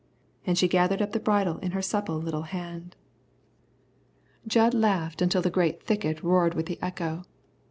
And she gathered up the bridle in her supple little hand. Jud laughed until the great thicket roared with the echo.